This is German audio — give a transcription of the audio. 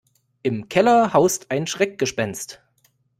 Im Keller haust ein Schreckgespenst.